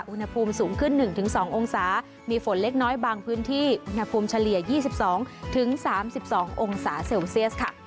อุณหภูมิสูงขึ้น๑๒องศามีฝนเล็กน้อยบางพื้นที่อุณหภูมิเฉลี่ย๒๒๓๒องศาเซลเซียสค่ะ